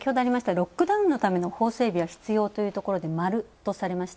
ロックダウンのための法整備は必要というところで○とされました。